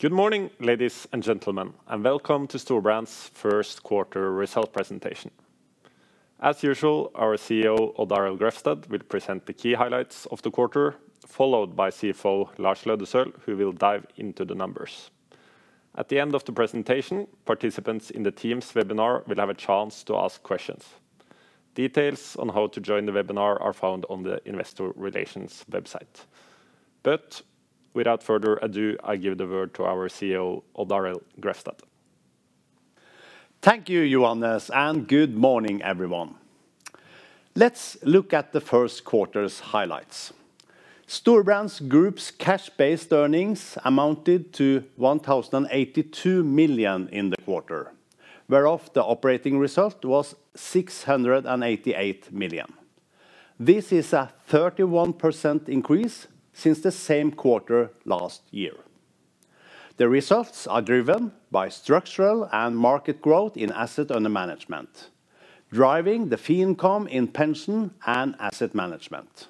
Good morning, ladies and gentlemen, and welcome to Storebrand's Q1 result presentation. As usual, our CEO, Odd Arild Grefstad, will present the key highlights of the quarter, followed by CFO Lars Løddesøl, who will dive into the numbers. At the end of the presentation, participants in the team's webinar will have a chance to ask questions. Details on how to join the webinar are found on the investor relations website. Without further ado, I give the word to our CEO, Odd Arild Grefstad. Thank you, Johannes, and good morning, everyone. Let's look at the Q1's highlights. Storebrand's group's cash-based earnings amounted to 1,082 million in the quarter, whereof the operating result was 688 million. This is a 31% increase since the same quarter last year. The results are driven by structural and market growth in asset under management, driving the fee income in pension and asset management,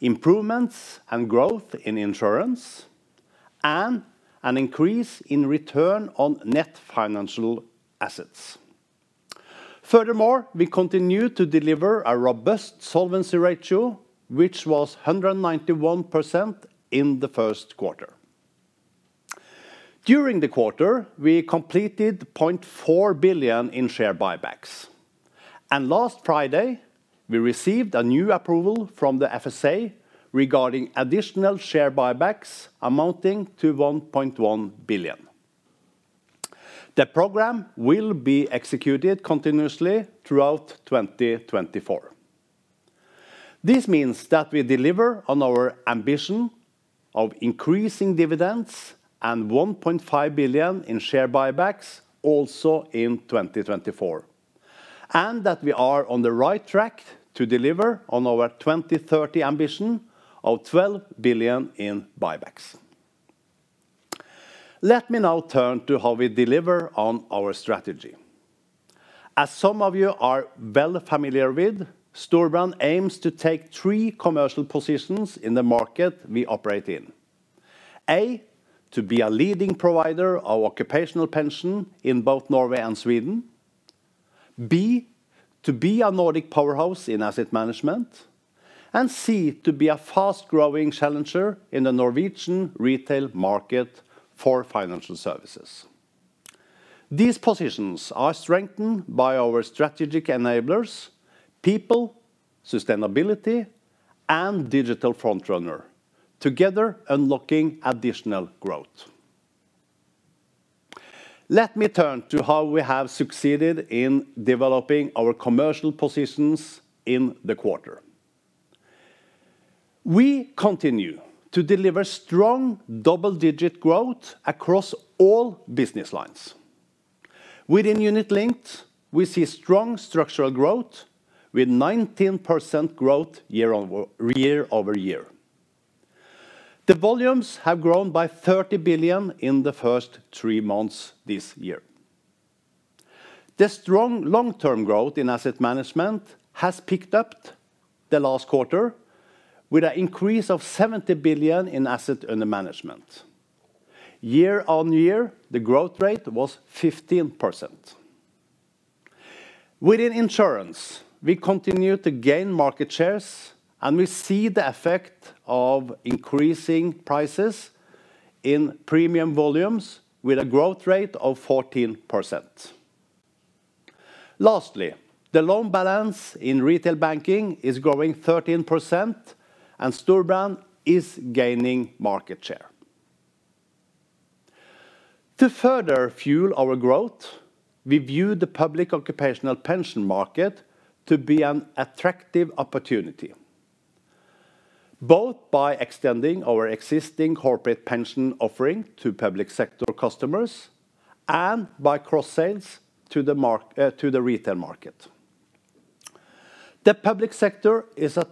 improvements and growth in insurance, and an increase in return on net financial assets. Furthermore, we continue to deliver a robust solvency ratio, which was 191% in the Q1. During the quarter, we completed 0.4 billion in share buybacks, and last Friday we received a new approval from the FSA regarding additional share buybacks amounting to 1.1 billion. The program will be executed continuously throughout 2024. This means that we deliver on our ambition of increasing dividends and 1.5 billion in share buybacks also in 2024, and that we are on the right track to deliver on our 2030 ambition of 12 billion in buybacks. Let me now turn to how we deliver on our strategy. As some of you are well familiar with, Storebrand aims to take three commercial positions in the market we operate in: A, to be a leading provider of occupational pension in both Norway and Sweden; B, to be a Nordic powerhouse in asset management; and C, to be a fast-growing challenger in the Norwegian retail market for financial services. These positions are strengthened by our strategic enablers, people, sustainability, and digital frontrunner, together unlocking additional growth. Let me turn to how we have succeeded in developing our commercial positions in the quarter. We continue to deliver strong double-digit growth across all business lines. Within Unit-Linked, we see strong structural growth with 19% growth year-over-year. The volumes have grown by 30 billion in the first three months this year. The strong long-term growth in asset management has picked up the last quarter with an increase of 70 billion in asset under management. Year-on-year, the growth rate was 15%. Within insurance, we continue to gain market shares, and we see the effect of increasing prices in premium volumes with a growth rate of 14%. Lastly, the loan balance in retail banking is growing 13%, and Storebrand is gaining market share. To further fuel our growth, we view the public occupational pension market to be an attractive opportunity, both by extending our existing corporate pension offering to public sector customers and by cross-sales to the retail market. The public sector is a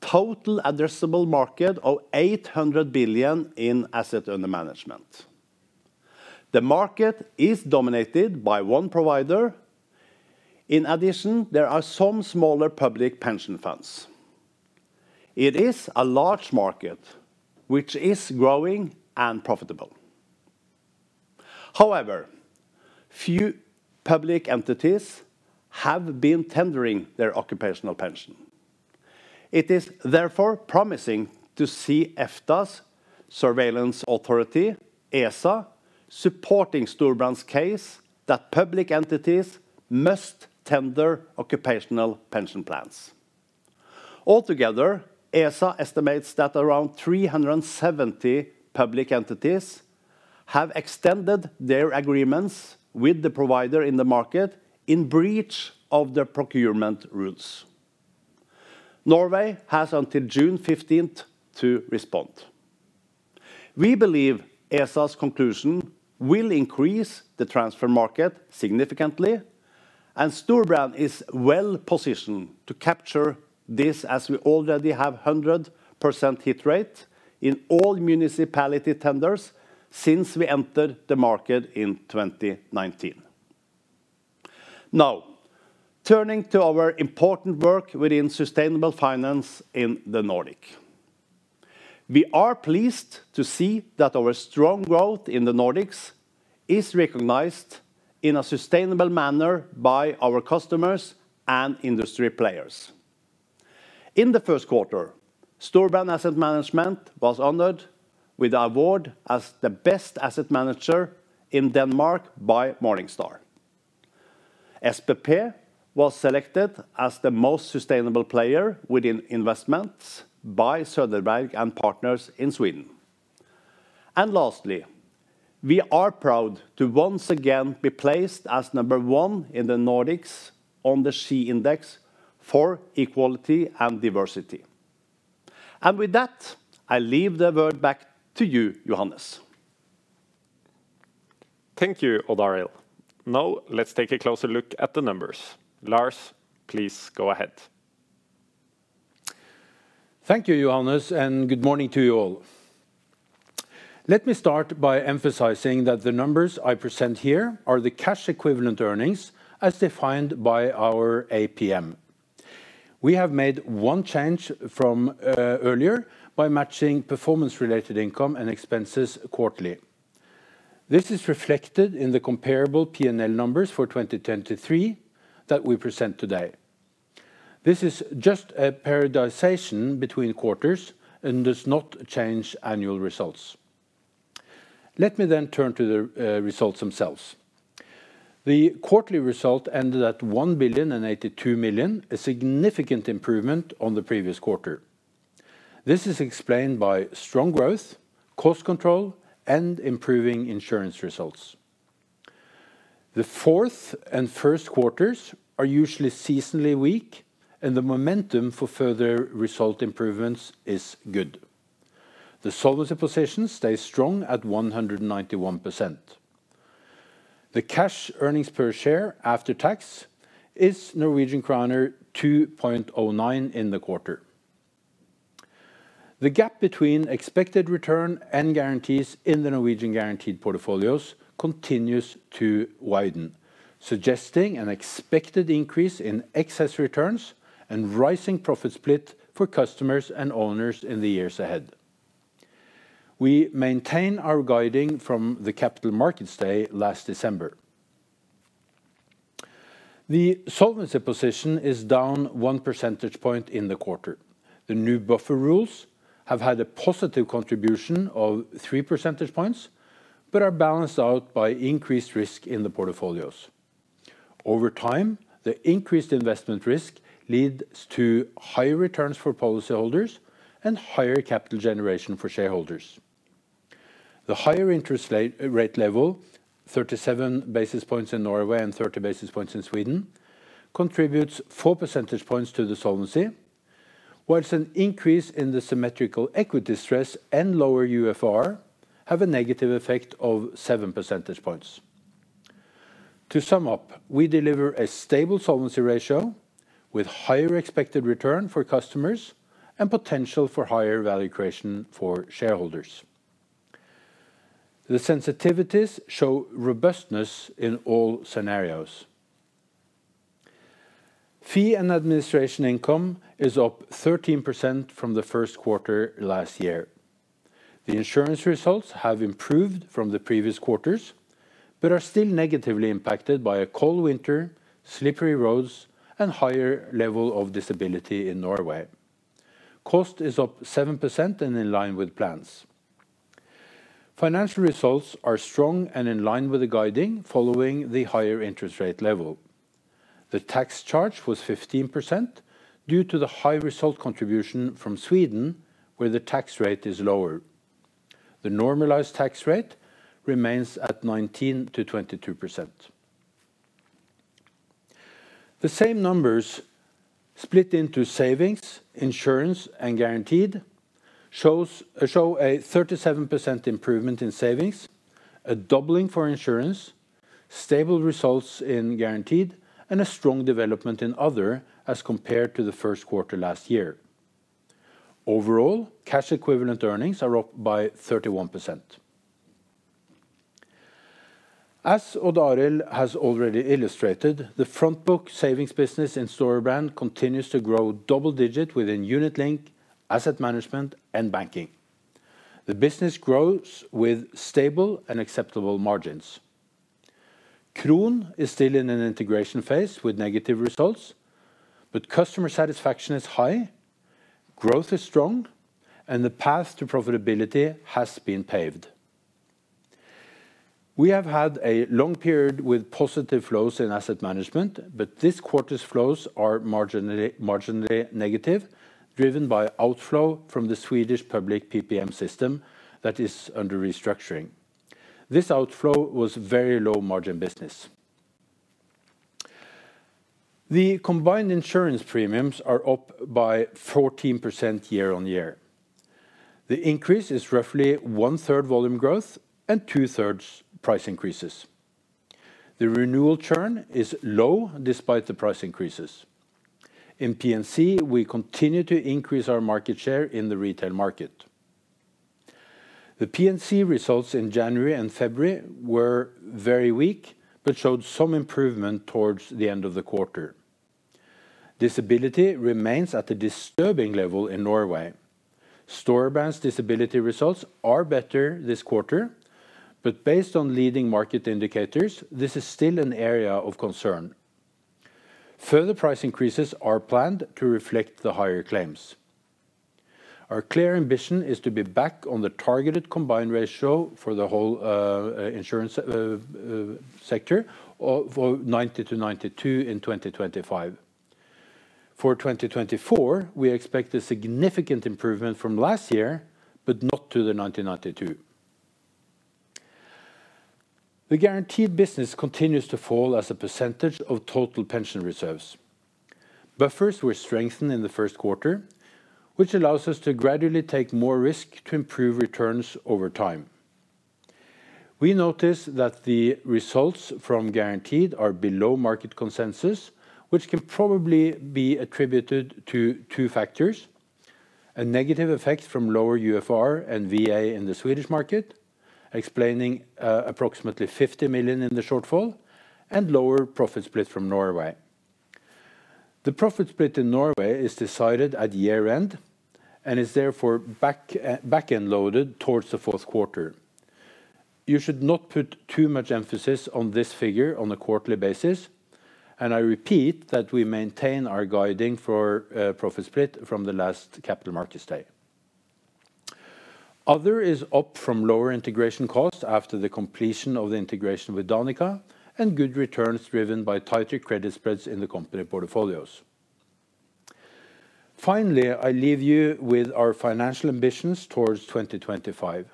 total addressable market of 800 billion in asset under management. The market is dominated by one provider. In addition, there are some smaller public pension funds. It is a large market, which is growing and profitable. However, few public entities have been tendering their occupational pension. It is therefore promising to see EFTA's Surveillance Authority, ESA, supporting Storebrand's case that public entities must tender occupational pension plans. Altogether, ESA estimates that around 370 public entities have extended their agreements with the provider in the market in breach of their procurement rules. Norway has until June 15 to respond. We believe ESA's conclusion will increase the transfer market significantly, and Storebrand is well positioned to capture this as we already have a 100% hit rate in all municipality tenders since we entered the market in 2019. Now, turning to our important work within sustainable finance in the Nordics. We are pleased to see that our strong growth in the Nordics is recognized in a sustainable manner by our customers and industry players. In the Q1, Storebrand Asset Management was honored with an award as the Best Asset Manager in Denmark by Morningstar. SPP was selected as the most sustainable player within investments by Söderberg & Partners in Sweden. And lastly, we are proud to once again be placed as number one in the Nordics on the SHE Index for equality and diversity. And with that, I leave the word back to you, Johannes. Thank you, Odd Arild. Now let's take a closer look at the numbers. Lars, please go ahead. Thank you, Johannes, and good morning to you all. Let me start by emphasizing that the numbers I present here are the cash equivalent earnings as defined by our APM. We have made one change from earlier by matching performance-related income and expenses quarterly. This is reflected in the comparable P&L numbers for 2023 that we present today. This is just a harmonization between quarters and does not change annual results. Let me then turn to the results themselves. The quarterly result ended at 1,082 million, a significant improvement on the previous quarter. This is explained by strong growth, cost control, and improving insurance results. The fourth and Q1s are usually seasonally weak, and the momentum for further result improvements is good. The solvency position stays strong at 191%. The cash earnings per share after tax is Norwegian kroner 2.09 in the quarter. The gap between expected return and guarantees in the Norwegian guaranteed portfolios continues to widen, suggesting an expected increase in excess returns and rising profit split for customers and owners in the years ahead. We maintain our guiding from the capital markets day last December. The solvency position is down one percentage point in the quarter. The new buffer rules have had a positive contribution of three percentage points but are balanced out by increased risk in the portfolios. Over time, the increased investment risk leads to higher returns for policyholders and higher capital generation for shareholders. The higher interest rate level, 37 basis points in Norway and 30 basis points in Sweden, contributes four percentage points to the solvency, while an increase in the symmetrical equity stress and lower UFR have a negative effect of seven percentage points. To sum up, we deliver a stable solvency ratio with higher expected return for customers and potential for higher value creation for shareholders. The sensitivities show robustness in all scenarios. Fee and administration income is up 13% from the Q1 last year. The insurance results have improved from the previous quarters but are still negatively impacted by a cold winter, slippery roads, and higher level of disability in Norway. Cost is up 7% and in line with plans. Financial results are strong and in line with the guiding following the higher interest rate level. The tax charge was 15% due to the high result contribution from Sweden, where the tax rate is lower. The normalized tax rate remains at 19%-22%. The same numbers split into savings, insurance, and guaranteed show a 37% improvement in savings, a doubling for insurance, stable results in guaranteed, and a strong development in other as compared to the Q1 last year. Overall, cash equivalent earnings are up by 31%. As Odd Arild has already illustrated, the frontbook savings business in Storebrand continues to grow double-digit within UnitLink, asset management, and banking. The business grows with stable and acceptable margins. Kron is still in an integration phase with negative results, but customer satisfaction is high, growth is strong, and the path to profitability has been paved. We have had a long period with positive flows in asset management, but this quarter's flows are marginally negative, driven by outflow from the Swedish public PPM system that is under restructuring. This outflow was very low-margin business. The combined insurance premiums are up by 14% year-on-year. The increase is roughly one-third volume growth and two-thirds price increases. The renewal churn is low despite the price increases. In P&C, we continue to increase our market share in the retail market. The P&C results in January and February were very weak but showed some improvement towards the end of the quarter. Disability remains at a disturbing level in Norway. Storebrand's disability results are better this quarter, but based on leading market indicators, this is still an area of concern. Further price increases are planned to reflect the higher claims. Our clear ambition is to be back on the targeted combined ratio for the whole insurance sector for 90-92 in 2025. For 2024, we expect a significant improvement from last year but not to the 90-92. The guaranteed business continues to fall as a percentage of total pension reserves. Buffers were strengthened in the Q1, which allows us to gradually take more risk to improve returns over time. We notice that the results from guaranteed are below market consensus, which can probably be attributed to two factors: a negative effect from lower UFR and VA in the Swedish market, explaining approximately 50 million in the shortfall, and lower profit split from Norway. The profit split in Norway is decided at year-end and is therefore back-loaded towards the Q4. You should not put too much emphasis on this figure on a quarterly basis, and I repeat that we maintain our guidance for profit split from the last Capital Markets Day. Other is up from lower integration costs after the completion of the integration with Danica and good returns driven by tighter credit spreads in the company portfolios. Finally, I leave you with our financial ambitions towards 2025.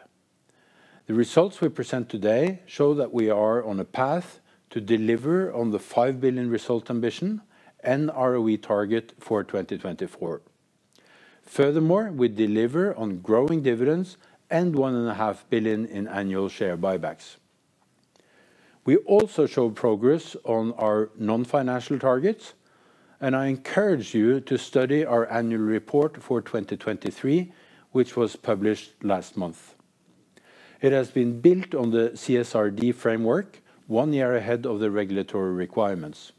The results we present today show that we are on a path to deliver on the 5 billion result ambition and ROE target for 2024. Furthermore, we deliver on growing dividends and 1.5 billion in annual share buybacks. We also show progress on our non-financial targets, and I encourage you to study our annual report for 2023, which was published last month. It has been built on the CSRD framework one year ahead of the regulatory requirements.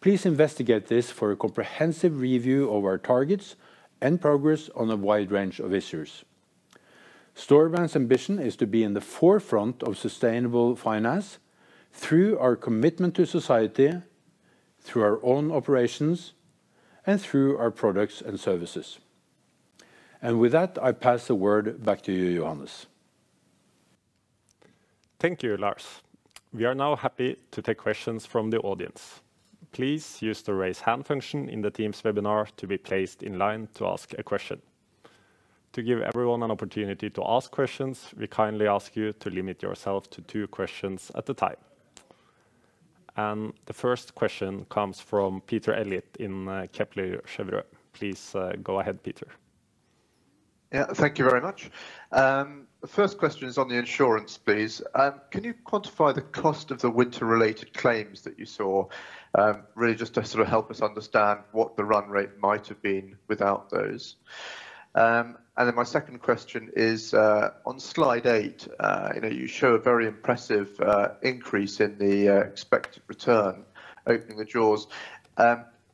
Please investigate this for a comprehensive review of our targets and progress on a wide range of issues. Storebrand's ambition is to be in the forefront of sustainable finance through our commitment to society, through our own operations, and through our products and services. And with that, I pass the word back to you, Johannes. Thank you, Lars. We are now happy to take questions from the audience. Please use the raise hand function in the Teams webinar to be placed in line to ask a question. To give everyone an opportunity to ask questions, we kindly ask you to limit yourself to two questions at a time. The first question comes from Peter Eliot in Kepler Cheuvreux. Please go ahead, Peter. Yeah, thank you very much. First question is on the insurance, please. Can you quantify the cost of the winter-related claims that you saw? Really just to sort of help us understand what the run rate might have been without those. And then my second question is, on slide 8, you show a very impressive increase in the expected return, opening the drawers.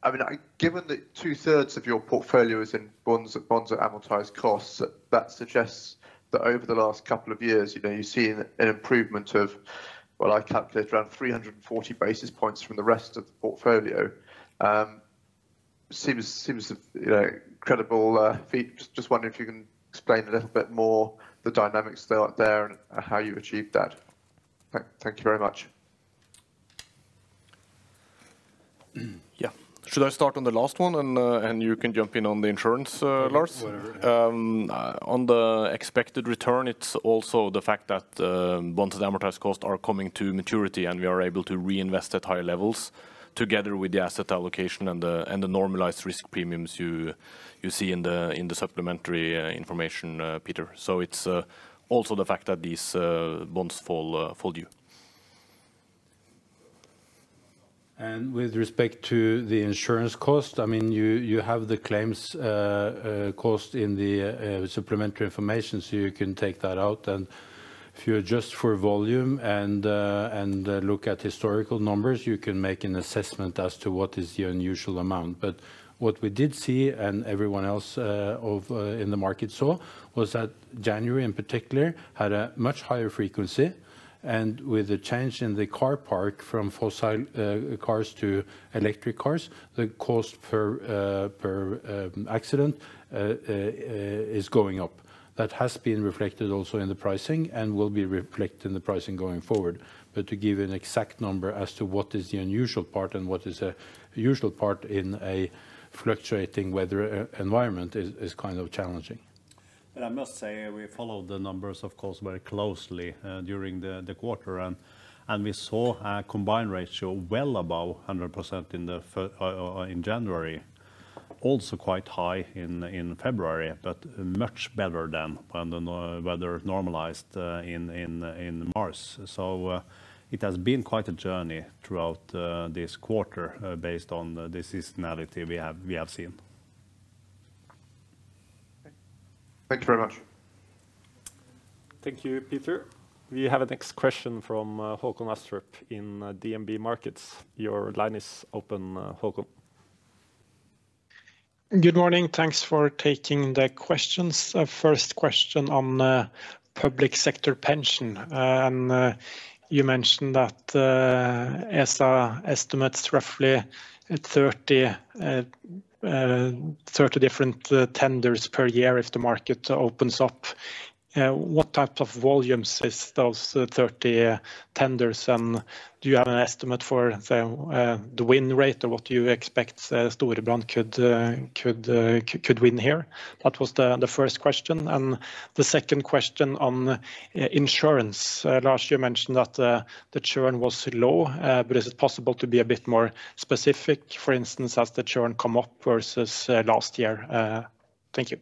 I mean, given that two-thirds of your portfolio is in bonds at amortized costs, that suggests that over the last couple of years, you've seen an improvement of, well, I calculated around 340 basis points from the rest of the portfolio. Seems credible feat. Just wondering if you can explain a little bit more the dynamics there and how you achieved that. Thank you very much. Yeah. Should I start on the last one, and you can jump in on the insurance, Lars? Whatever. On the expected return, it's also the fact that bonds at amortized costs are coming to maturity, and we are able to reinvest at higher levels together with the asset allocation and the normalized risk premiums you see in the supplementary information, Peter. So it's also the fact that these bonds fall due. And with respect to the insurance cost, I mean, you have the claims cost in the supplementary information, so you can take that out. And if you adjust for volume and look at historical numbers, you can make an assessment as to what is the unusual amount. But what we did see, and everyone else in the market saw, was that January, in particular, had a much higher frequency. And with a change in the car park from fossil cars to electric cars, the cost per accident is going up. That has been reflected also in the pricing and will be reflected in the pricing going forward. But to give you an exact number as to what is the unusual part and what is a usual part in a fluctuating weather environment is kind of challenging. I must say we followed the numbers, of course, very closely during the quarter, and we saw a Combined Ratio well above 100% in January, also quite high in February, but much better than when the weather normalized in March. It has been quite a journey throughout this quarter based on the seasonality we have seen. Thank you very much. Thank you, Peter. We have a next question from Håkon Astrup in DNB Markets. Your line is open, Håkon. Good morning. Thanks for taking the questions. First question on public sector pension. You mentioned that ESA estimates roughly 30 different tenders per year if the market opens up. What types of volumes are those 30 tenders? Do you have an estimate for the win rate or what you expect Storebrand could win here? That was the first question. The second question on insurance. Lars, you mentioned that the churn was low. Is it possible to be a bit more specific, for instance, as the churn came up versus last year? Thank you.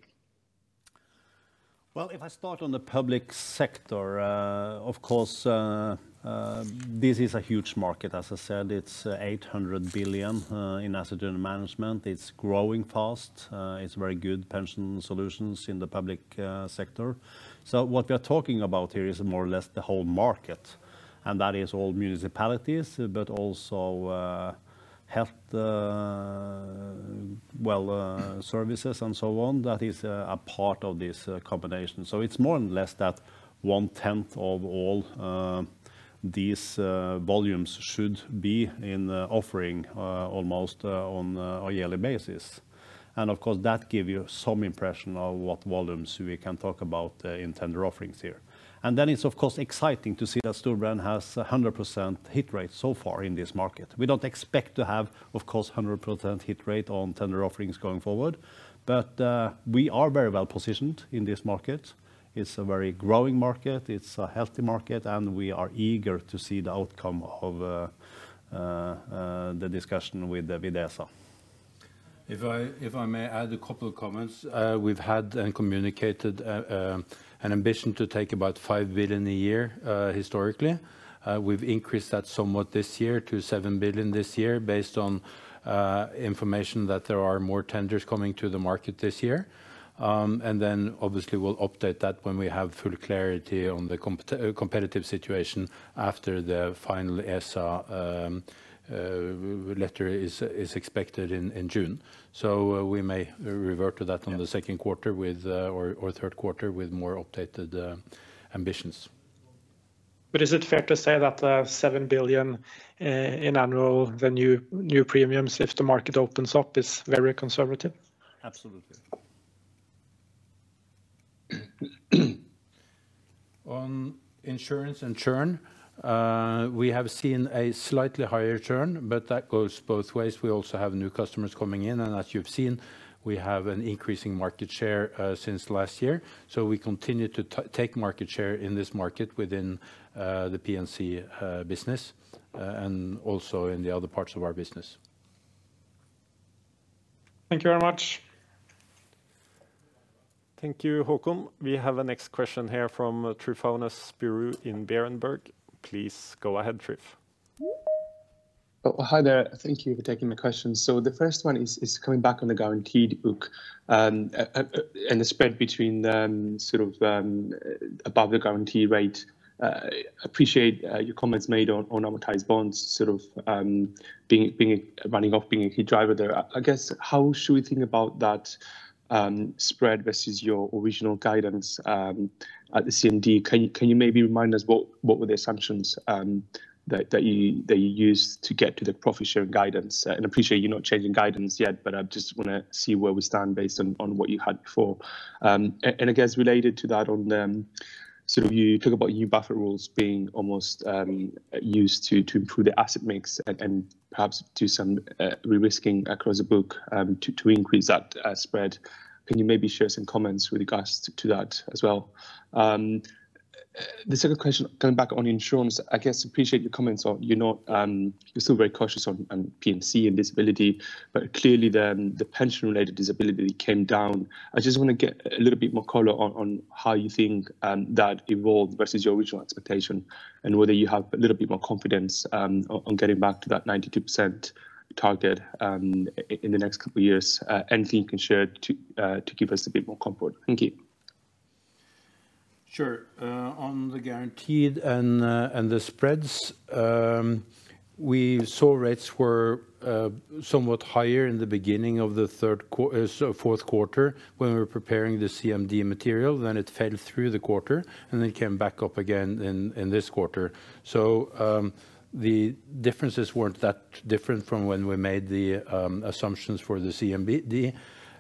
Well, if I start on the public sector, of course, this is a huge market. As I said, it's 800 billion in assets under management. It's growing fast. It's very good pension solutions in the public sector. So what we are talking about here is more or less the whole market. And that is all municipalities, but also health services and so on. That is a part of this combination. So it's more or less that one-tenth of all these volumes should be in offering almost on a yearly basis. And of course, that gives you some impression of what volumes we can talk about in tender offerings here. And then it's, of course, exciting to see that Storebrand has 100% hit rate so far in this market. We don't expect to have, of course, 100% hit rate on tender offerings going forward. We are very well positioned in this market. It's a very growing market. It's a healthy market. We are eager to see the outcome of the discussion with ESA. If I may add a couple of comments, we've had and communicated an ambition to take about 5 billion a year historically. We've increased that somewhat this year to 7 billion this year based on information that there are more tenders coming to the market this year. And then, obviously, we'll update that when we have full clarity on the competitive situation after the final ESA letter is expected in June. So we may revert to that on the Q2 or third quarter with more updated ambitions. But is it fair to say that 7 billion in annual new premiums if the market opens up is very conservative? Absolutely. On insurance and churn, we have seen a slightly higher churn, but that goes both ways. We also have new customers coming in. As you've seen, we have an increasing market share since last year. We continue to take market share in this market within the P&C business and also in the other parts of our business. Thank you very much. Thank you, Håkon. We have a next question here from Tryfonas Spyrou in Berenberg. Please go ahead, Trif. Hi there. Thank you for taking the question. So the first one is coming back on the guaranteed book and the spread between sort of above the guarantee rate. Appreciate your comments made on amortized bonds sort of running off, being a key driver there. I guess how should we think about that spread versus your original guidance at the CMD? Can you maybe remind us what were the assumptions that you used to get to the profit-sharing guidance? And appreciate you're not changing guidance yet, but I just want to see where we stand based on what you had before. And I guess related to that, sort of you talk about new buffer rules being almost used to improve the asset mix and perhaps do some re-risking across the book to increase that spread. Can you maybe share some comments with regards to that as well? The second question, coming back on insurance, I guess appreciate your comments. You're still very cautious on P&C and disability, but clearly, the pension-related disability came down. I just want to get a little bit more color on how you think that evolved versus your original expectation and whether you have a little bit more confidence on getting back to that 92% target in the next couple of years. Anything you can share to give us a bit more comfort. Thank you. Sure. On the guaranteed and the spreads, we saw rates were somewhat higher in the beginning of the Q4 when we were preparing the CMD material. Then it fell through the quarter, and then it came back up again in this quarter. So the differences weren't that different from when we made the assumptions for the CMD.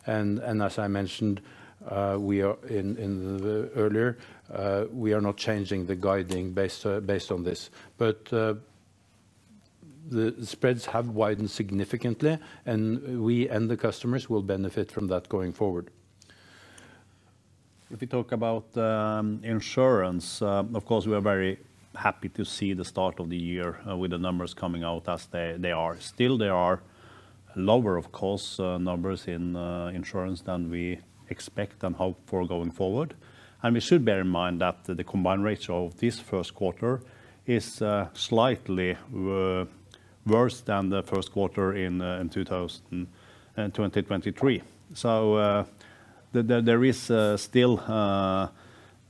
And as I mentioned earlier, we are not changing the guiding based on this. But the spreads have widened significantly, and we and the customers will benefit from that going forward. If we talk about insurance, of course, we are very happy to see the start of the year with the numbers coming out as they are. Still, there are lower, of course, numbers in insurance than we expect and hope for going forward. And we should bear in mind that the combined ratio of this Q1 is slightly worse than the Q1 in 2023. So there are still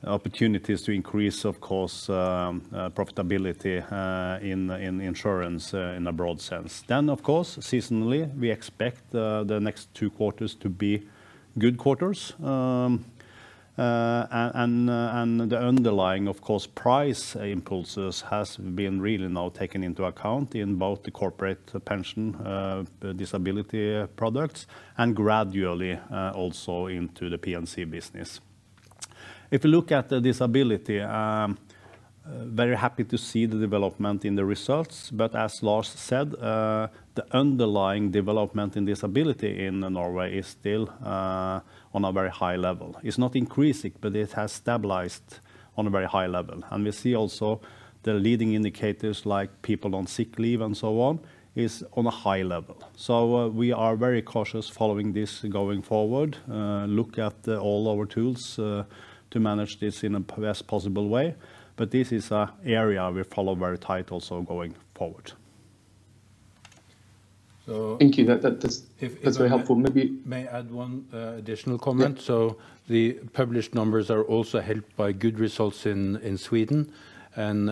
opportunities to increase, of course, profitability in insurance in a broad sense. Then, of course, seasonally, we expect the next two quarters to be good quarters. And the underlying, of course, price impulses have been really now taken into account in both the corporate pension disability products and gradually also into the P&C business. If we look at the disability, very happy to see the development in the results. As Lars said, the underlying development in disability in Norway is still on a very high level. It's not increasing, but it has stabilized on a very high level. We see also the leading indicators like people on sick leave and so on is on a high level. We are very cautious following this going forward. Look at all our tools to manage this in the best possible way. This is an area we follow very tight also going forward. Thank you. That's very helpful. Maybe. May I add one additional comment? So the published numbers are also helped by good results in Sweden and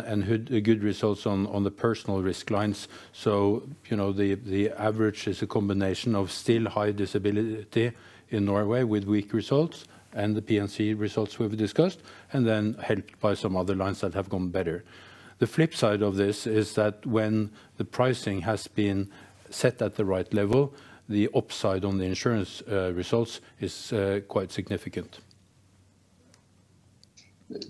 good results on the personal risk lines. So the average is a combination of still high disability in Norway with weak results and the P&C results we've discussed, and then helped by some other lines that have gone better. The flip side of this is that when the pricing has been set at the right level, the upside on the insurance results is quite significant.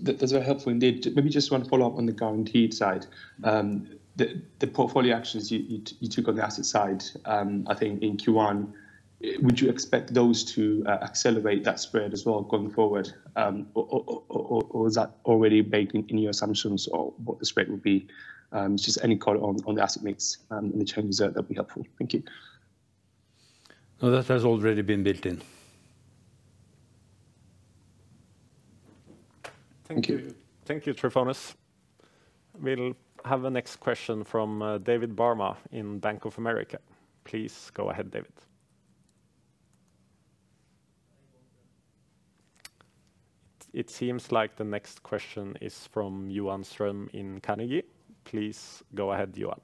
That's very helpful indeed. Maybe just one follow-up on the guaranteed side. The portfolio actions you took on the asset side, I think, in Q1, would you expect those to accelerate that spread as well going forward, or is that already baked in your assumptions or what the spread will be? Just any color on the asset mix and the changes there that would be helpful. Thank you. No, that has already been built in. Thank you. Thank you, Trifones. We'll have a next question from David Barma in Bank of America. Please go ahead, David. It seems like the next question is from Johan Ström in Carnegie. Please go ahead, Johan.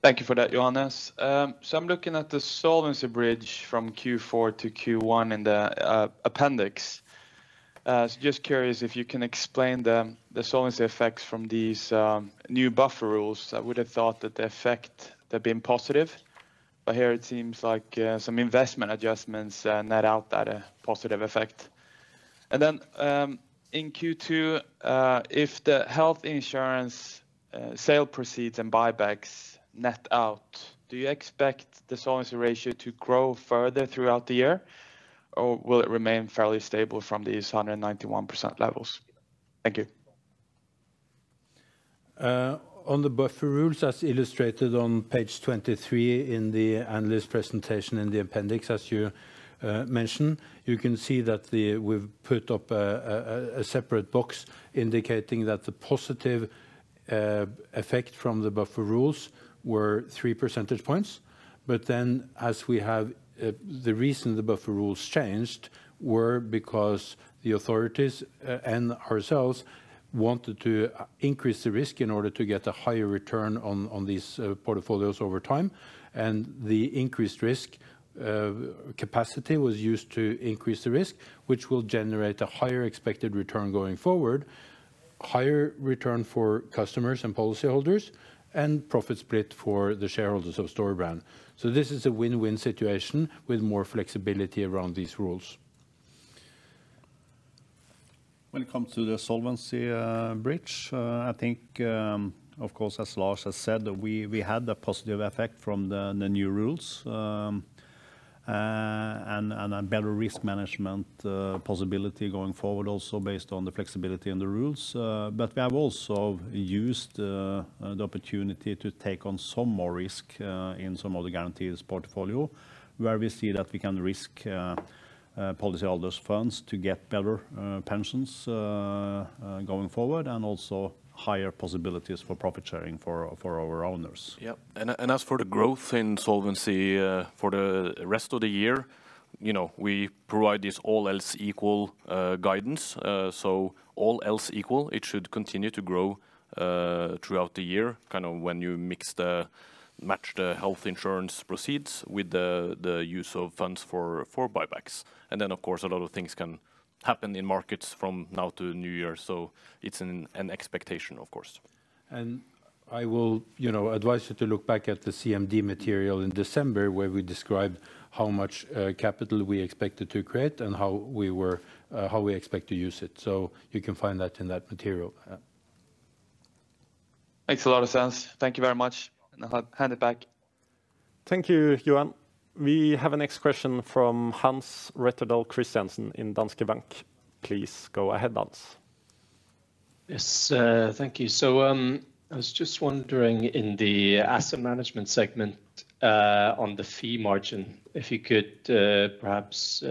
Thank you for that, Johannes. So I'm looking at the solvency bridge from Q4 to Q1 in the appendix. So just curious if you can explain the solvency effects from these new buffer rules. I would have thought that the effect had been positive, but here it seems like some investment adjustments net out that positive effect. And then in Q2, if the health insurance sale proceeds and buybacks net out, do you expect the solvency ratio to grow further throughout the year, or will it remain fairly stable from these 191% levels? Thank you. On the buffer rules, as illustrated on page 23 in the analyst presentation in the appendix, as you mentioned, you can see that we've put up a separate box indicating that the positive effect from the buffer rules were 3 percentage points. But then as we have the reason the buffer rules changed were because the authorities and ourselves wanted to increase the risk in order to get a higher return on these portfolios over time. And the increased risk capacity was used to increase the risk, which will generate a higher expected return going forward, higher return for customers and policyholders, and profit split for the shareholders of Storebrand. So this is a win-win situation with more flexibility around these rules. When it comes to the solvency bridge, I think, of course, as Lars has said, we had the positive effect from the new rules and a better risk management possibility going forward also based on the flexibility in the rules. But we have also used the opportunity to take on some more risk in some of the guarantees portfolio where we see that we can risk policyholders' funds to get better pensions going forward and also higher possibilities for profit sharing for our owners. Yeah. And as for the growth in solvency for the rest of the year, we provide this all else equal guidance. So all else equal, it should continue to grow throughout the year kind of when you match the health insurance proceeds with the use of funds for buybacks. And then, of course, a lot of things can happen in markets from now to New Year. So it's an expectation, of course. I will advise you to look back at the CMD material in December where we described how much capital we expected to create and how we expect to use it. You can find that in that material. Makes a lot of sense. Thank you very much. I'll hand it back. Thank you, Johan. We have a next question from Hans Rettedal Christiansen in Danske Bank. Please go ahead, Hans. Yes. Thank you. So I was just wondering in the asset management segment on the fee margin, if you could perhaps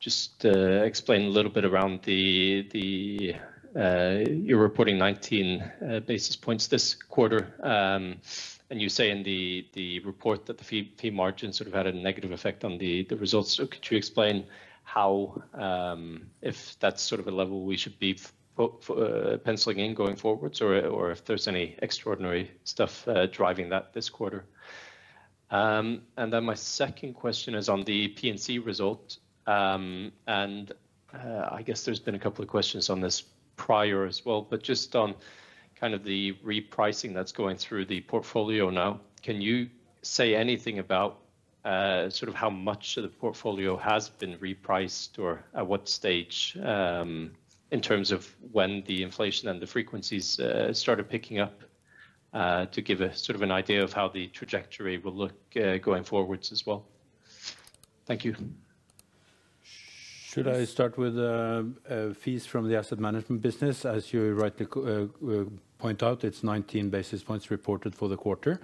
just explain a little bit around you're reporting 19 basis points this quarter. And you say in the report that the fee margin sort of had a negative effect on the results. Could you explain if that's sort of a level we should be penciling in going forwards or if there's any extraordinary stuff driving that this quarter? And then my second question is on the P&C result. I guess there's been a couple of questions on this prior as well, but just on kind of the repricing that's going through the portfolio now, can you say anything about sort of how much of the portfolio has been repriced or at what stage in terms of when the inflation and the frequencies started picking up to give sort of an idea of how the trajectory will look going forwards as well? Thank you. Should I start with fees from the asset management business? As you rightly point out, it's 19 basis points reported for the quarter.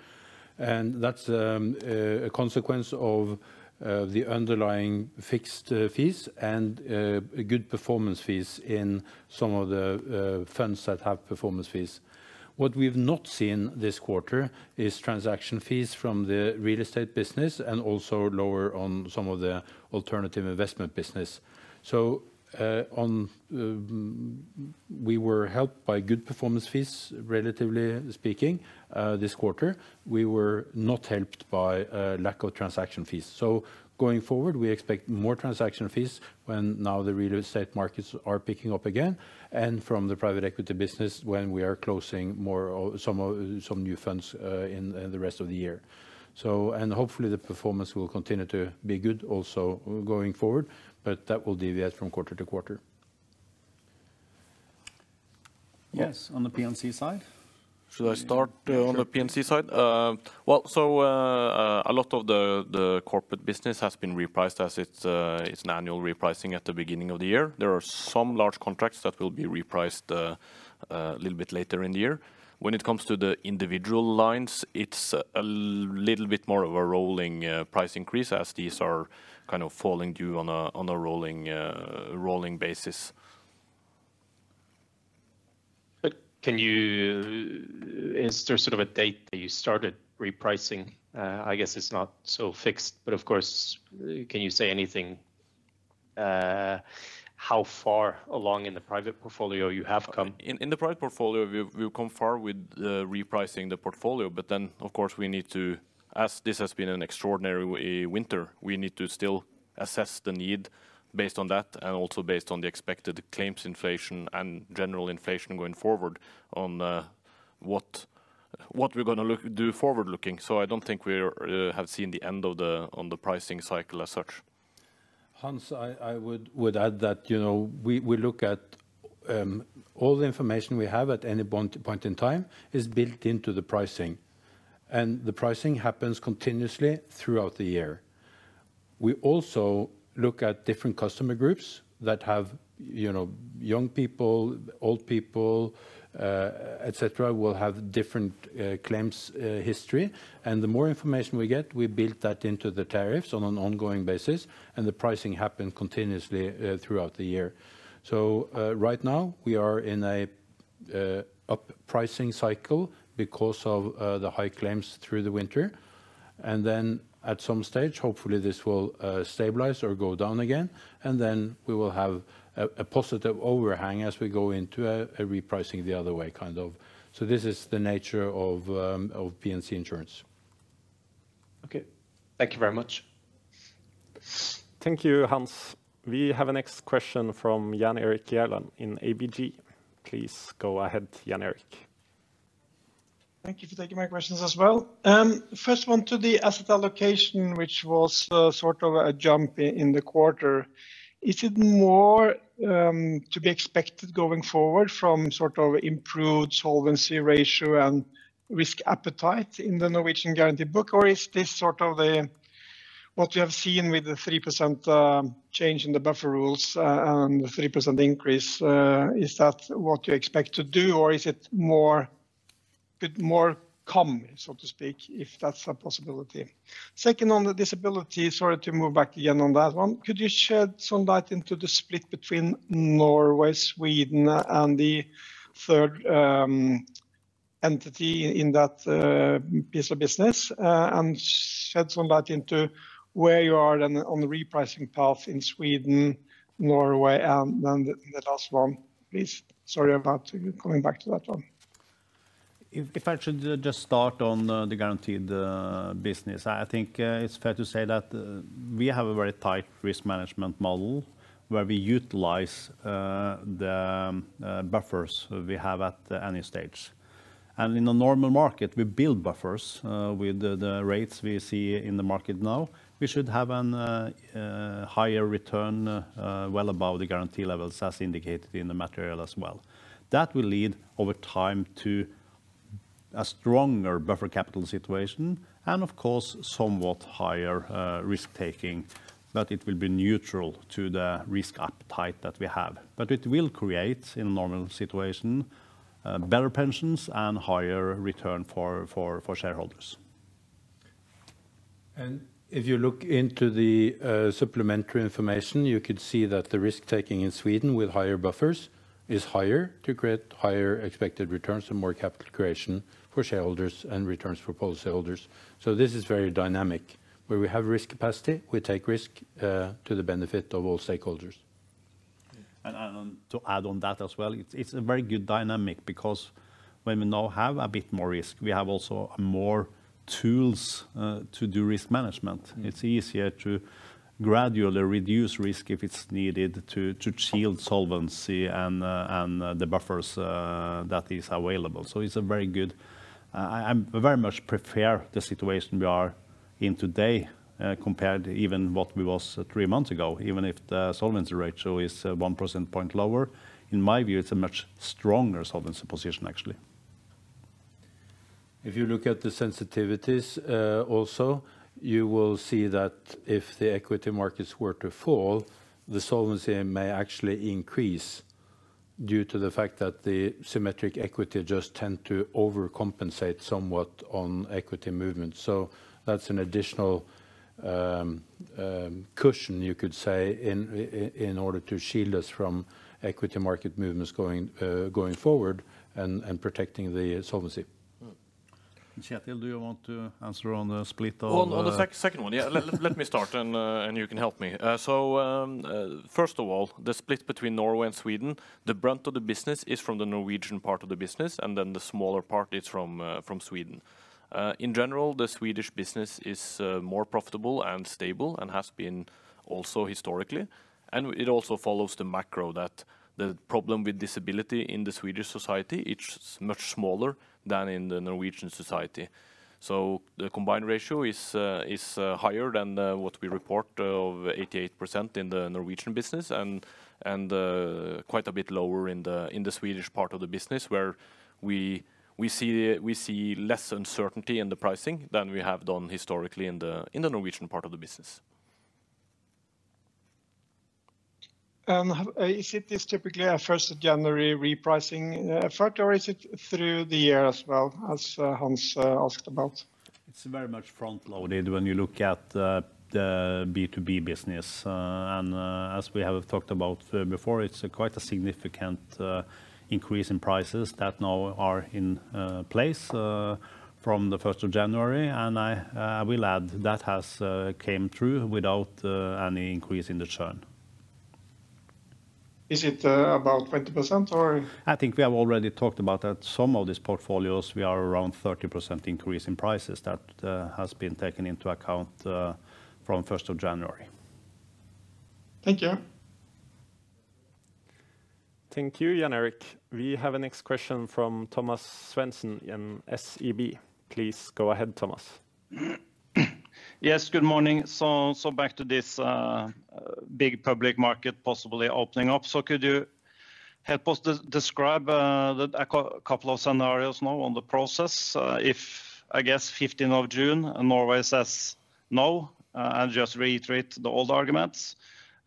That's a consequence of the underlying fixed fees and good performance fees in some of the funds that have performance fees. What we've not seen this quarter is transaction fees from the real estate business and also lower on some of the alternative investment business. We were helped by good performance fees, relatively speaking, this quarter. We were not helped by lack of transaction fees. Going forward, we expect more transaction fees when now the real estate markets are picking up again. From the private equity business, when we are closing some new funds in the rest of the year. Hopefully, the performance will continue to be good also going forward, but that will deviate from quarter to quarter. Yes, on the P&C side? Should I start on the P&C side? Well, so a lot of the corporate business has been repriced as it's an annual repricing at the beginning of the year. There are some large contracts that will be repriced a little bit later in the year. When it comes to the individual lines, it's a little bit more of a rolling price increase as these are kind of falling due on a rolling basis. Can you is there sort of a date that you started repricing? I guess it's not so fixed, but of course, can you say anything how far along in the private portfolio you have come? In the private portfolio, we've come far with repricing the portfolio. But then, of course, we need to, as this has been an extraordinary winter, we need to still assess the need based on that and also based on the expected claims inflation and general inflation going forward on what we're going to do forward-looking. So I don't think we have seen the end on the pricing cycle as such. Hans, I would add that we look at all the information we have at any point in time is built into the pricing. The pricing happens continuously throughout the year. We also look at different customer groups that have young people, old people, etc., will have different claims history. The more information we get, we build that into the tariffs on an ongoing basis. The pricing happens continuously throughout the year. So right now, we are in an uppricing cycle because of the high claims through the winter. Then at some stage, hopefully, this will stabilize or go down again. Then we will have a positive overhang as we go into a repricing the other way kind of. So this is the nature of P&C insurance. Okay. Thank you very much. Thank you, Hans. We have a next question from Jan Erik Gjerland in ABG. Please go ahead, Jan Erik. Thank you for taking my questions as well. First one to the asset allocation, which was sort of a jump in the quarter. Is it more to be expected going forward from sort of improved solvency ratio and risk appetite in the Norwegian guarantee book, or is this sort of what we have seen with the 3% change in the buffer rules and the 3% increase? Is that what you expect to do, or is it more come, so to speak, if that's a possibility? Second on the disability, sorry to move back again on that one. Could you shed some light into the split between Norway, Sweden, and the third entity in that piece of business and shed some light into where you are on the repricing path in Sweden, Norway, and then the last one, please? Sorry about coming back to that one. If I should just start on the guaranteed business, I think it's fair to say that we have a very tight risk management model where we utilize the buffers we have at any stage. And in a normal market, we build buffers with the rates we see in the market now. We should have a higher return well above the guarantee levels as indicated in the material as well. That will lead over time to a stronger buffer capital situation and, of course, somewhat higher risk-taking. But it will be neutral to the risk appetite that we have. But it will create, in a normal situation, better pensions and higher return for shareholders. If you look into the supplementary information, you could see that the risk-taking in Sweden with higher buffers is higher to create higher expected returns and more capital creation for shareholders and returns for policyholders. This is very dynamic. Where we have risk capacity, we take risk to the benefit of all stakeholders. To add on that as well, it's a very good dynamic because when we now have a bit more risk, we have also more tools to do risk management. It's easier to gradually reduce risk if it's needed to shield solvency and the buffers that is available. So it's a very good I very much prefer the situation we are in today compared even what we was three months ago. Even if the solvency ratio is 1 percentage point lower, in my view, it's a much stronger solvency position, actually. If you look at the sensitivities also, you will see that if the equity markets were to fall, the solvency may actually increase due to the fact that the symmetric equity just tend to overcompensate somewhat on equity movements. So that's an additional cushion, you could say, in order to shield us from equity market movements going forward and protecting the solvency. Kjetil, do you want to answer on the split of? On the second one, yeah. Let me start and you can help me. So first of all, the split between Norway and Sweden, the brunt of the business is from the Norwegian part of the business, and then the smaller part is from Sweden. In general, the Swedish business is more profitable and stable and has been also historically. And it also follows the macro that the problem with disability in the Swedish society, it's much smaller than in the Norwegian society. So the Combined Ratio is higher than what we report of 88% in the Norwegian business and quite a bit lower in the Swedish part of the business where we see less uncertainty in the pricing than we have done historically in the Norwegian part of the business. Is it typically a 1st January repricing effort, or is it through the year as well, as Hans asked about? It's very much front-loaded when you look at the B2B business. As we have talked about before, it's quite a significant increase in prices that now are in place from the 1st of January. I will add that has come true without any increase in the churn. Is it about 20%, or? I think we have already talked about that. Some of these portfolios, we are around 30% increase in prices that has been taken into account from 1st of January. Thank you. Thank you, Jan Erik. We have a next question from Thomas Svendsen in SEB. Please go ahead, Thomas. Yes. Good morning. So back to this big public market possibly opening up. So could you help us describe a couple of scenarios now on the process? If, I guess, 15 of June, Norway says no and just retreats the old arguments,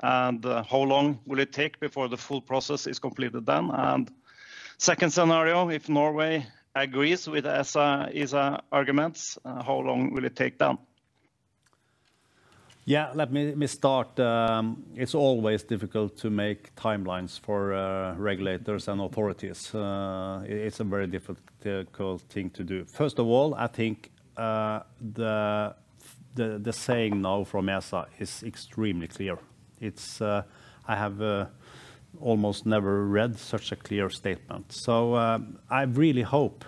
and how long will it take before the full process is completed then? And second scenario, if Norway agrees with ESA arguments, how long will it take then? Yeah. Let me start. It's always difficult to make timelines for regulators and authorities. It's a very difficult thing to do. First of all, I think the statement now from ESA is extremely clear. I have almost never read such a clear statement. So I really hope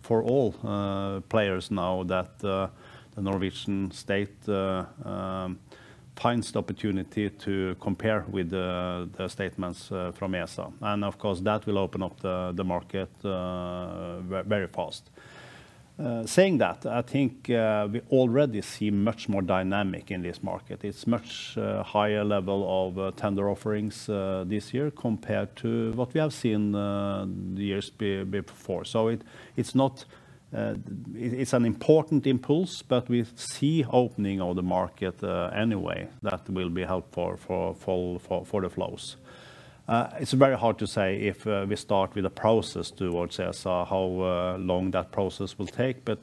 for all players now that the Norwegian state finds the opportunity to compare with the statements from ESA. And of course, that will open up the market very fast. Saying that, I think we already see much more dynamic in this market. It's a much higher level of tender offerings this year compared to what we have seen the years before. So it's an important impulse, but we see opening of the market anyway that will be helpful for the flows. It's very hard to say if we start with a process towards ESA, how long that process will take, but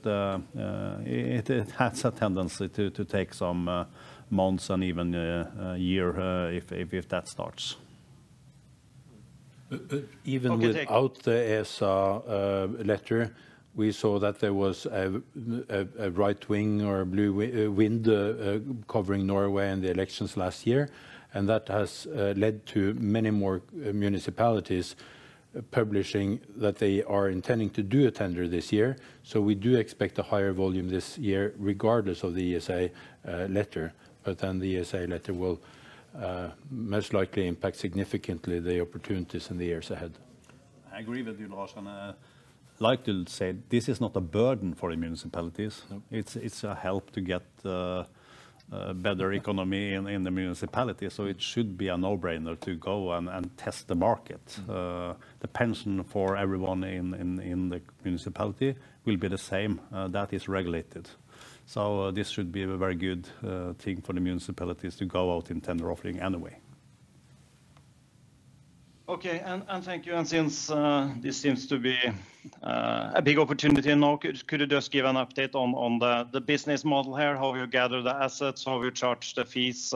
it has a tendency to take some months and even a year if that starts. Even without the ESA letter, we saw that there was a right wing or a blue wind covering Norway in the elections last year. That has led to many more municipalities publishing that they are intending to do a tender this year. We do expect a higher volume this year regardless of the ESA letter. Then the ESA letter will most likely impact significantly the opportunities in the years ahead. I agree with you, Lars. I'd like to say this is not a burden for the municipalities. It's a help to get a better economy in the municipalities. It should be a no-brainer to go and test the market. The pension for everyone in the municipality will be the same. That is regulated. This should be a very good thing for the municipalities to go out in tender offering anyway. Okay. And thank you. And since this seems to be a big opportunity now, could you just give an update on the business model here? How have you gathered the assets? How have you charged the fees?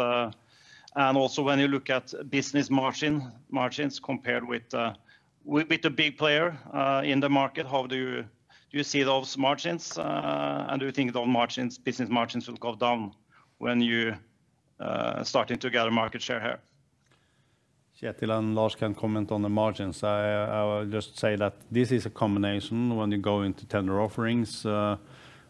And also when you look at business margins compared with the big player in the market, how do you see those margins? And do you think those business margins will go down when you starting to gather market share here? Kjetil and Lars can comment on the margins. I will just say that this is a combination when you go into tender offerings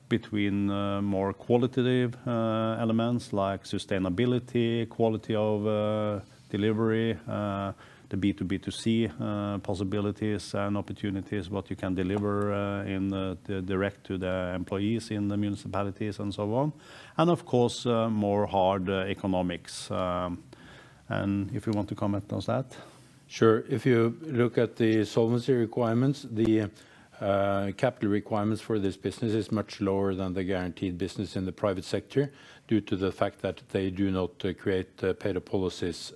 between more qualitative elements like sustainability, quality of delivery, the B2B2C possibilities and opportunities, what you can deliver direct to the employees in the municipalities, and so on. And of course, more hard economics. And if you want to comment on that. Sure. If you look at the solvency requirements, the capital requirements for this business is much lower than the guaranteed business in the private sector due to the fact that they do not create payroll policies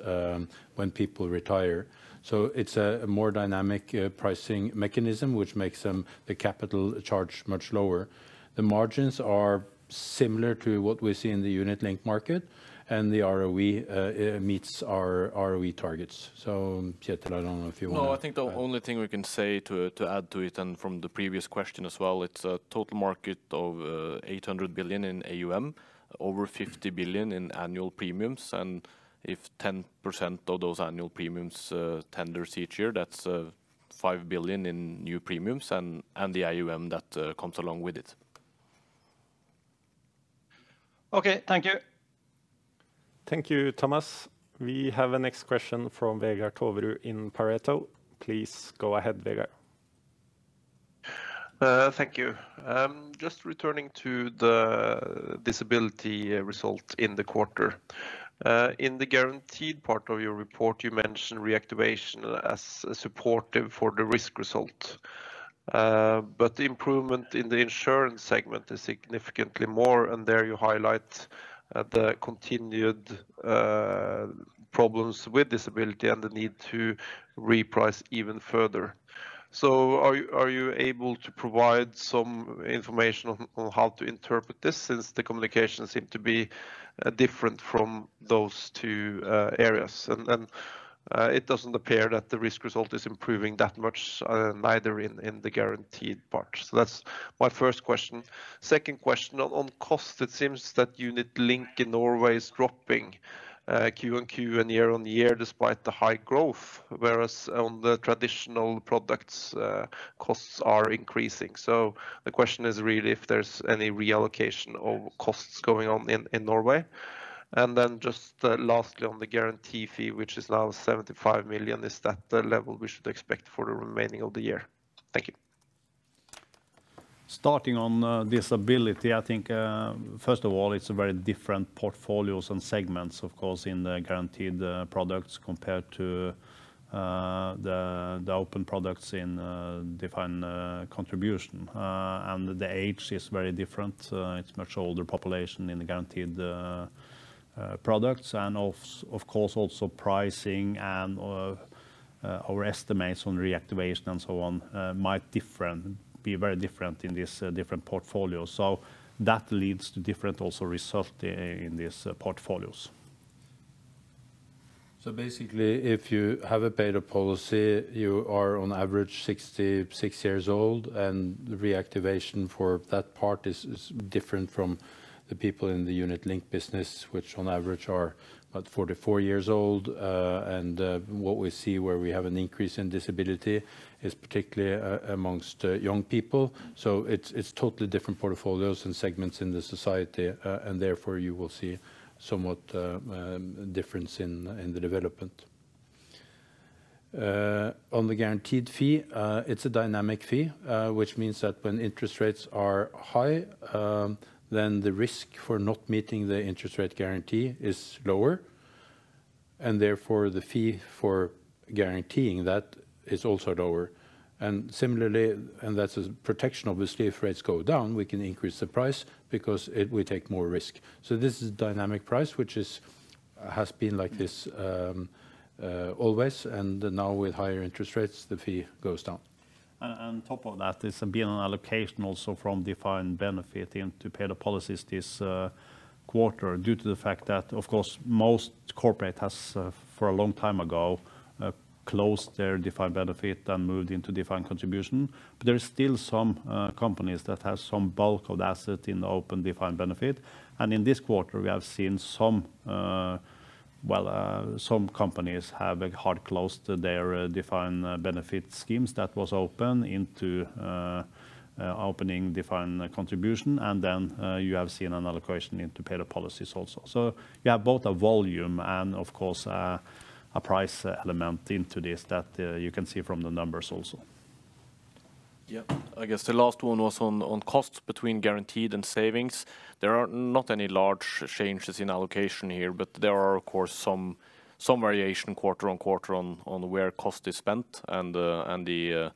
when people retire. So it's a more dynamic pricing mechanism, which makes the capital charge much lower. The margins are similar to what we see in the unit-linked market. And the ROE meets our ROE targets. So Kjetil, I don't know if you want to. No, I think the only thing we can say to add to it and from the previous question as well, it's a total market of 800 billion in AUM, over 50 billion in annual premiums. If 10% of those annual premiums tenders each year, that's 5 billion in new premiums and the AUM that comes along with it. Okay. Thank you. Thank you, Thomas. We have a next question from Vegard Toverud in Pareto. Please go ahead, Vegard. Thank you. Just returning to the disability result in the quarter. In the guaranteed part of your report, you mentioned reactivation as supportive for the risk result. But the improvement in the insurance segment is significantly more. And there you highlight the continued problems with disability and the need to reprice even further. So are you able to provide some information on how to interpret this since the communication seemed to be different from those two areas? And it doesn't appear that the risk result is improving that much neither in the guaranteed part. So that's my first question. Second question, on cost, it seems that unit-linked in Norway is dropping Q-on-Q and year-on-year despite the high growth, whereas on the traditional products, costs are increasing. So the question is really if there's any reallocation of costs going on in Norway. And then just lastly, on the guarantee fee, which is now 75 million, is that the level we should expect for the remaining of the year? Thank you. Starting on disability, I think first of all, it's a very different portfolios and segments, of course, in the guaranteed products compared to the open products in defined contribution. The age is very different. It's a much older population in the guaranteed products. Of course, also pricing and our estimates on reactivation and so on might be very different in these different portfolios. That leads to different also result in these portfolios. So basically, if you have a payroll policy, you are on average 66 years old. And the reactivation for that part is different from the people in the unit-linked business, which on average are about 44 years old. And what we see where we have an increase in disability is particularly among young people. So it's totally different portfolios and segments in the society. And therefore, you will see somewhat difference in the development. On the guaranteed fee, it's a dynamic fee, which means that when interest rates are high, then the risk for not meeting the interest rate guarantee is lower. And therefore, the fee for guaranteeing that is also lower. And similarly, and that's a protection, obviously, if rates go down, we can increase the price because we take more risk. So this is a dynamic price, which has been like this always. Now with higher interest rates, the fee goes down. On top of that, there's been an allocation also from defined benefit into payroll policies this quarter due to the fact that, of course, most corporate has for a long time ago closed their defined benefit and moved into defined contribution. There are still some companies that have some bulk of the asset in the open defined benefit. And in this quarter, we have seen some, well, some companies have hard-closed their defined benefit schemes that was open into opening defined contribution. And then you have seen an allocation into payroll policies also. So you have both a volume and, of course, a price element into this that you can see from the numbers also. Yeah. I guess the last one was on costs between guaranteed and savings. There are not any large changes in allocation here. But there are, of course, some variation quarter on quarter on where cost is spent and the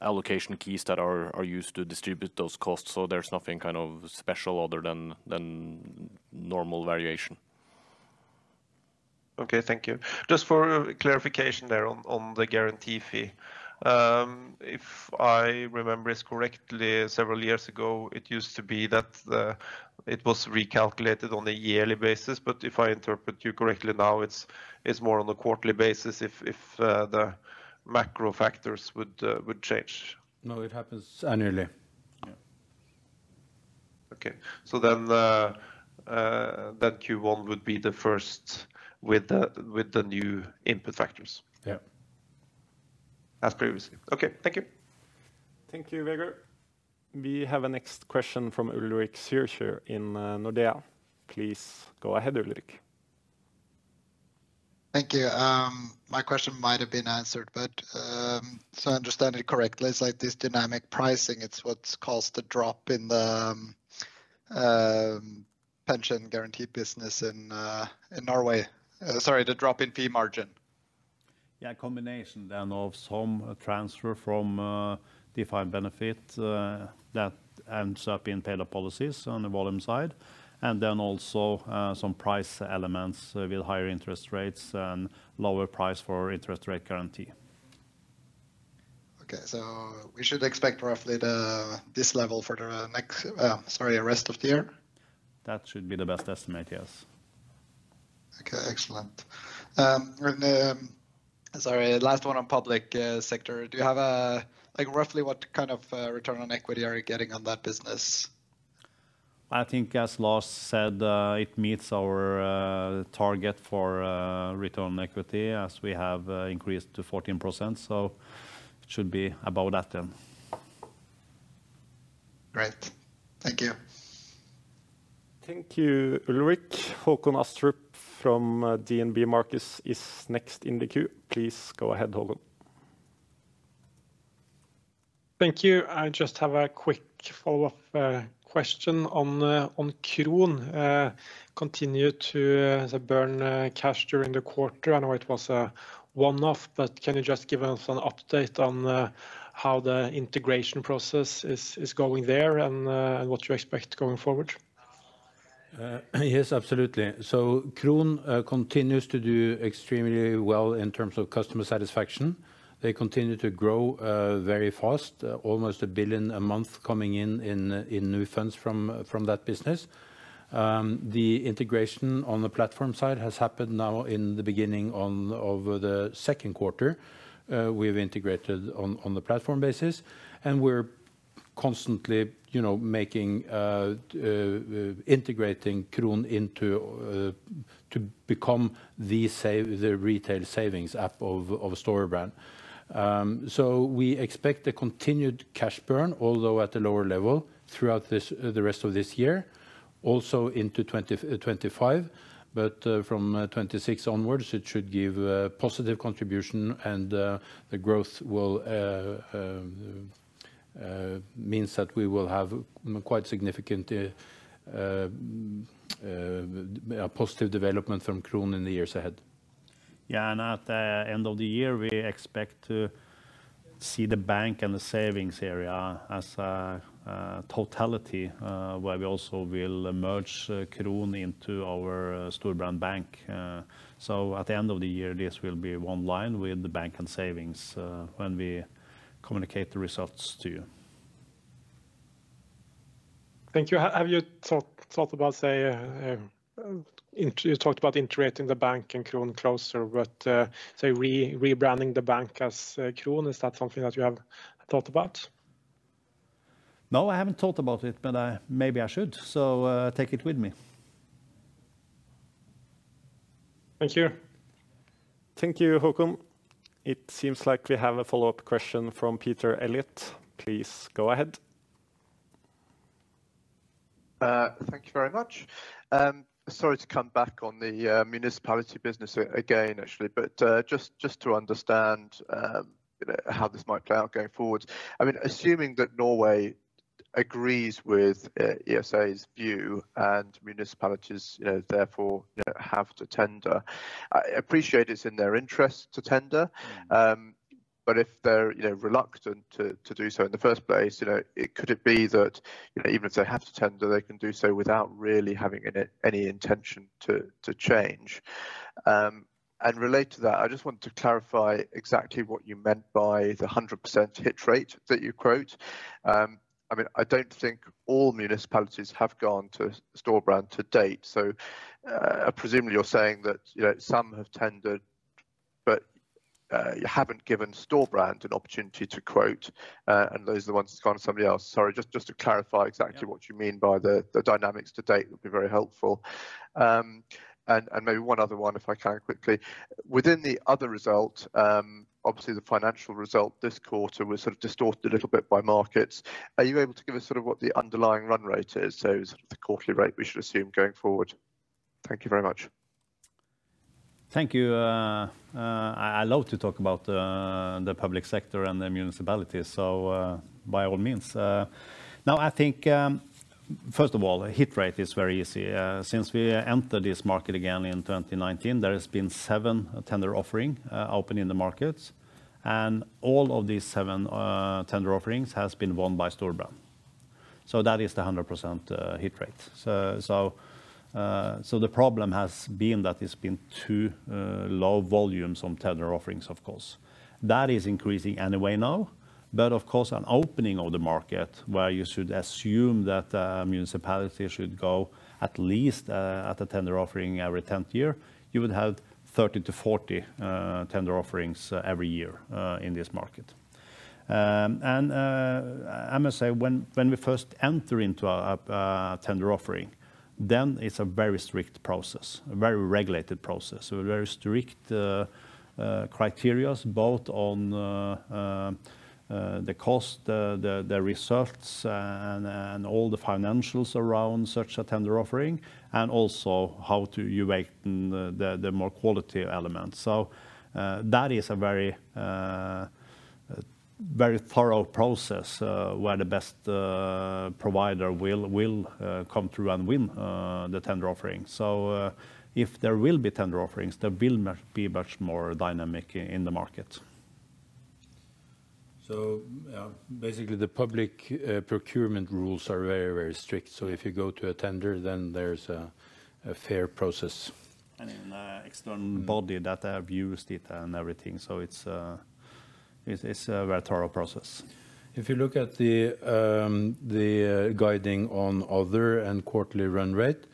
allocation keys that are used to distribute those costs. So there's nothing kind of special other than normal variation. Okay. Thank you. Just for clarification there on the guarantee fee, if I remember it correctly, several years ago, it used to be that it was recalculated on a yearly basis. If I interpret you correctly now, it's more on a quarterly basis if the macro factors would change. No, it happens annually. Yeah. Okay. So then Q1 would be the first with the new input factors. Yeah. As previously. Okay. Thank you. Thank you, Vegard. We have a next question from Ulrik Zürcher in Nordea. Please go ahead, Ulrik. Thank you. My question might have been answered. But so I understand it correctly, it's like this dynamic pricing. It's what's caused the drop in the pension guarantee business in Norway. Sorry, the drop in fee margin. Yeah. A combination then of some transfer from Defined Benefit that ends up in payroll policies on the volume side. And then also some price elements with higher interest rates and lower price for interest rate guarantee. Okay. So we should expect roughly this level for the rest of the year? That should be the best estimate, yes. Okay. Excellent. Sorry, last one on public sector. Do you have roughly what kind of return on equity are you getting on that business? I think, as Lars said, it meets our target for return on equity as we have increased to 14%. It should be about that then. Great. Thank you. Thank you, Ulrik. Håkon Astrup from DNB Markets is next in the queue. Please go ahead, Håkon. Thank you. I just have a quick follow-up question on Kron. Continue to burn cash during the quarter? I know it was a one-off. But can you just give us an update on how the integration process is going there and what you expect going forward? Yes, absolutely. So Kron continues to do extremely well in terms of customer satisfaction. They continue to grow very fast, almost 1 billion a month coming in new funds from that business. The integration on the platform side has happened now in the beginning of the Q2. We've integrated on the platform basis. And we're constantly integrating Kron to become the retail savings app of Storebrand. So we expect a continued cash burn, although at a lower level throughout the rest of this year, also into 2025. But from 2026 onwards, it should give positive contribution. And the growth means that we will have quite significant positive development from Kron in the years ahead. Yeah. At the end of the year, we expect to see the bank and the savings area as a totality where we also will merge Kron into our Storebrand Bank. At the end of the year, this will be one line with the bank and savings when we communicate the results to you. Thank you. Have you thought about, say, you talked about integrating the bank and Kron closer. But say rebranding the bank as Kron, is that something that you have thought about? No, I haven't thought about it. But maybe I should. So take it with me. Thank you. Thank you,. It seems like we have a follow-up question from Peter Elliott. Please go ahead. Thank you very much. Sorry to come back on the municipality business again, actually. But just to understand how this might play out going forward, I mean, assuming that Norway agrees with ESA's view and municipalities therefore have to tender, I appreciate it's in their interest to tender. But if they're reluctant to do so in the first place, could it be that even if they have to tender, they can do so without really having any intention to change? And related to that, I just wanted to clarify exactly what you meant by the 100% hit rate that you quote. I mean, I don't think all municipalities have gone to Storebrand to date. So presumably, you're saying that some have tendered, but you haven't given Storebrand an opportunity to quote. And those are the ones that's gone to somebody else. Sorry, just to clarify exactly what you mean by the dynamics to date would be very helpful. And maybe one other one, if I can, quickly. Within the other result, obviously, the financial result this quarter was sort of distorted a little bit by markets. Are you able to give us sort of what the underlying run rate is, so sort of the quarterly rate we should assume going forward? Thank you very much. Thank you. I love to talk about the public sector and the municipalities, so by all means. Now, I think, first of all, hit rate is very easy. Since we entered this market again in 2019, there has been 7 tender offerings open in the markets. All of these 7 tender offerings have been won by Storebrand. That is the 100% hit rate. The problem has been that there's been too low volumes on tender offerings, of course. That is increasing anyway now. But of course, an opening of the market where you should assume that a municipality should go at least at a tender offering every 10th year, you would have 30-40 tender offerings every year in this market. I must say, when we first enter into a tender offering, then it's a very strict process, a very regulated process, with very strict criteria both on the cost, the results, and all the financials around such a tender offering, and also how to weigh the more quality elements. That is a very thorough process where the best provider will come through and win the tender offering. If there will be tender offerings, there will be much more dynamic in the market. So basically, the public procurement rules are very, very strict. So if you go to a tender, then there's a fair process. And an external body that have used it and everything. So it's a very thorough process. If you look at the guiding on other and quarterly run rate,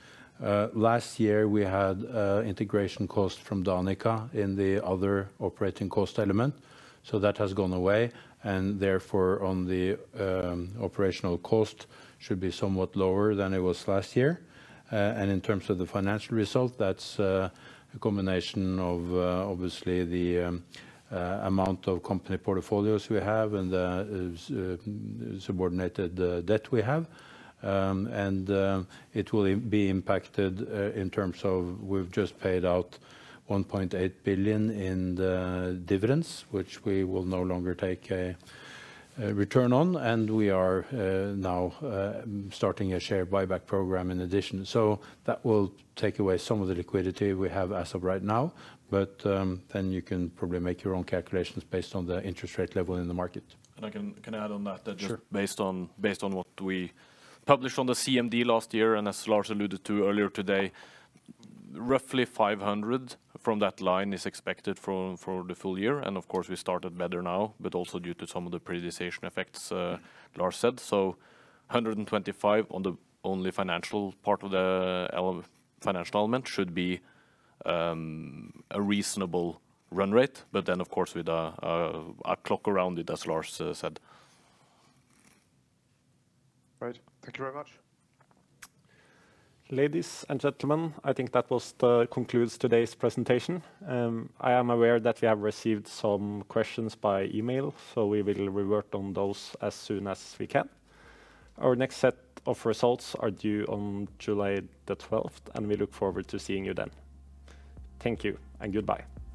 last year, we had integration costs from Danica in the other operating cost element. So that has gone away. And therefore, on the operational cost, it should be somewhat lower than it was last year. And in terms of the financial result, that's a combination of, obviously, the amount of company portfolios we have and the subordinated debt we have. And it will be impacted in terms of we've just paid out 1.8 billion in dividends, which we will no longer take a return on. And we are now starting a share buyback program in addition. So that will take away some of the liquidity we have as of right now. But then you can probably make your own calculations based on the interest rate level in the market. And I can add on that. Sure. Based on what we published on the CMD last year and as Lars alluded to earlier today, roughly 500 from that line is expected for the full year. And of course, we started better now, but also due to some of the periodization effects Lars said. So 125 on the only financial part of the financial element should be a reasonable run rate. But then, of course, with a clock around it, as Lars said. Right. Thank you very much. Ladies and gentlemen, I think that concludes today's presentation. I am aware that we have received some questions by email. So we will revert on those as soon as we can. Our next set of results are due on July the 12th. And we look forward to seeing you then. Thank you. And goodbye.